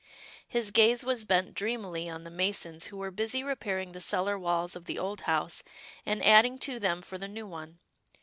His gaze was bent dreamily on the masons who were busy repairing the cellar walls of the old house, and adding to them for the new one.